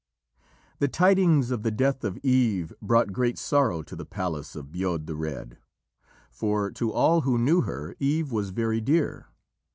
The tidings of the death of Eve brought great sorrow to the palace of Bodb the Red, for to all who knew her Eve was very dear.